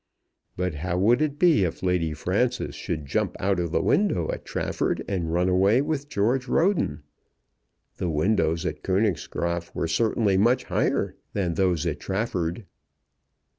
But how would it be if Lady Frances should jump out of the window at Trafford and run away with George Roden? The windows at Königsgraaf were certainly much higher than those at Trafford.